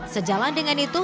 sejalan dengan itu